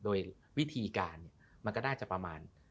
โดยวิธีการมันก็ได้จะประมาณ